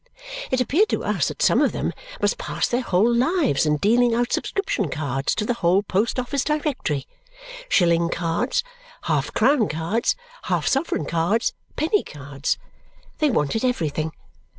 It appeared to us that some of them must pass their whole lives in dealing out subscription cards to the whole post office directory shilling cards, half crown cards, half sovereign cards, penny cards. They wanted everything.